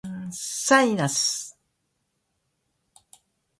サイナス